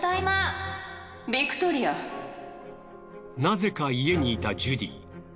なぜか家にいたジュディ。